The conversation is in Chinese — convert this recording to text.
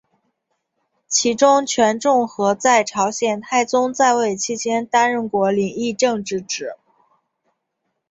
其中权仲和在朝鲜太宗在位期间担任过领议政之职。